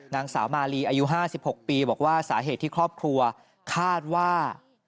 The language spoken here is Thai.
นางสาวมาลีอายุ๕๖ปีบอกว่าสาเหตุที่ครอบครัวคาดว่า